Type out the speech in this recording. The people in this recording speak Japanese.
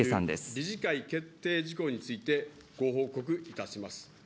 理事会決定事項について、ご報告いたします。